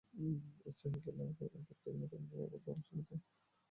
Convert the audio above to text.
উৎসাহে এবং আবেগে অক্ষয়ের গান অবাধে উৎসারিত হইতে লাগিল।